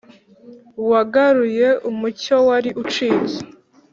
wagaruye umuco wari ucitse